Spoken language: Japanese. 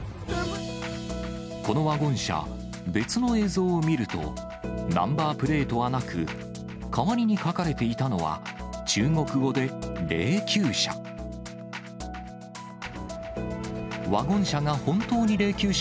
このワゴン車、別の映像を見ると、ナンバープレートはなく、代わりに書かれていたのは中国語で霊きゅう車。